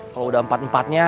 kalau udah empat empatnya